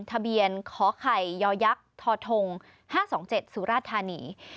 ทะเบียนขคยท๕๒๗สุราธานี